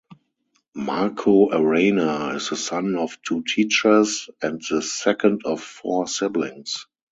Marco Arana is the son of two teachers and the second of four siblings.